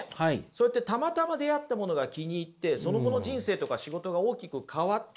そうやってたまたま出会ったものが気に入ってその後の人生とか仕事が大きく変わったなんて経験ありません？